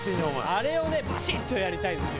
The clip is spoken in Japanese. あれをねバシッとやりたいんですよ。